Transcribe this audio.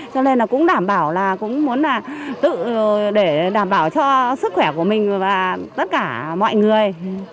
cho nên là cũng đảm bảo là cũng muốn là tự để đảm bảo cho sức khỏe của mình và tất cả mọi người